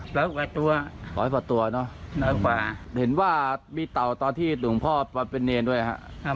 พอที่ประตัวเนอะเห็นว่ามีเต่าตอนที่หลวงพ่อปรบเป็นเรนด้วยคะ